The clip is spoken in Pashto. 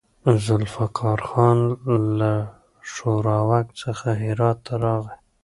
ذوالفقار خان له ښوراوک څخه هرات ته راغی.